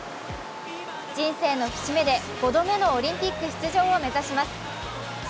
人生の節目で５度目のオリンピック出場を目指します。